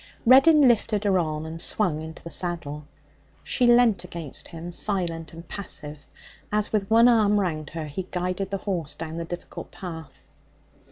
Reddin lifted her on and swung into the saddle. She leant against him, silent and passive, as with one arm round her he guided the horse down the difficult path.